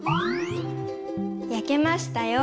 やけましたよ。